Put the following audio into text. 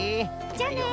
じゃあね。